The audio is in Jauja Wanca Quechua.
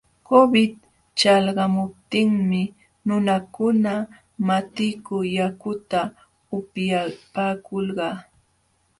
Covid ćhalqamuptinmi nunakuna matiku yakuta upyapaakulqa.